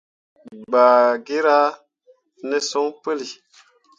Jilkpiŋ gbah gira ne son puli.